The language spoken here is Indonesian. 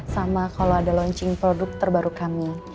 sama kalau ada launching produk terbaru kami